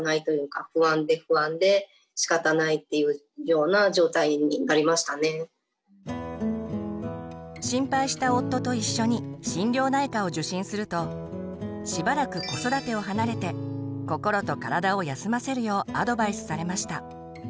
睡眠不足も気にせず無理を重ねたため心配した夫と一緒に心療内科を受診するとしばらく子育てを離れて心と体を休ませるようアドバイスされました。